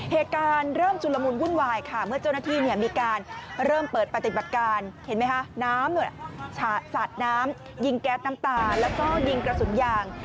เหตุการณ์เริ่มชุนละมุนวุ่นวายค่ะเมื่อเจ้าหน้าที่มีการเริ่มเปิดปฏิบัติการเห็นไหมคะน้ำสาดน้ำยิงแก๊สน้ำตาแล้วก็ยิงกระสุนยาง